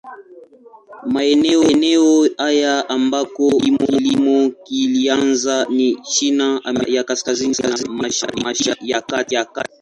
Maeneo haya ambako kilimo kilianza ni China, Amerika ya Kaskazini na Mashariki ya Kati.